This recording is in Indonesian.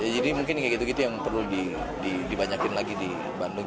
jadi mungkin kayak gitu gitu yang perlu dibanyakin lagi di bandung